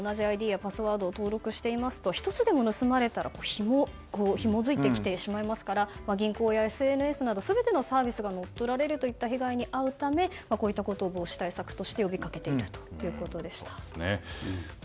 複数のサイトで同じＩＤやパスワードを登録していますと１つでも盗まれたらひも付いてきてしまいますから銀行やＳＮＳなど全てのサービスが乗っ取られるという被害に遭うためこういったことを防止対策として呼びかけているということでした。